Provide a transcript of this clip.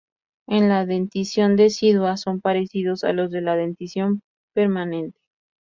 En la dentición decidua son parecidos a los de la dentición permanente.